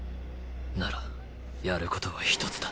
ならやることはひとつだ。